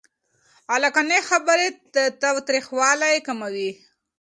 عقلاني خبرې تاوتريخوالی کموي.